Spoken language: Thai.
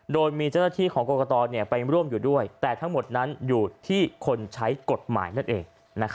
โดยมีเจ้าหน้าที่ของกรกตไปร่วมอยู่ด้วยแต่ทั้งหมดนั้นอยู่ที่คนใช้กฎหมายนั่นเอง